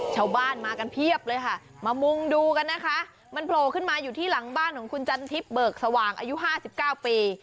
ชาวบ้านมากันเพียบเลยค่ะมามุงดูกันนะคะมันโผล่ขึ้นมาอยู่ที่หลังบ้านของคุณจันทิพย์เบิกสว่างอายุ๕๙ปี